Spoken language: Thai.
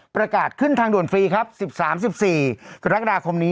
ประกาศขึ้นทางด่วนฟรีครับ๑๓๑๔กรกฎาคมนี้